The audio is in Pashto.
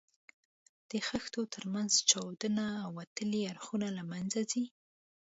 د خښتو تر منځ چاودونه او وتلي اړخونه له منځه ځي.